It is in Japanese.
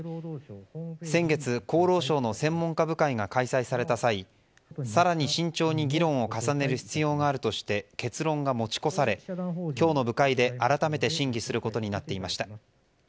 先月、厚労省の専門家部会が開催された際、更に慎重に議論を重ねる必要があるとして結論が持ち越され今日の部会で改めて審議することになっていました。